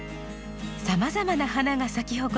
さまざまな花が咲き誇り